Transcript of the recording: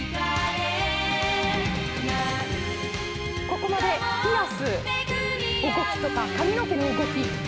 ここもピアス動きとか髪の毛の動き